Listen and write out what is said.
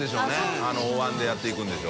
あのおわんでやっていくんでしょう。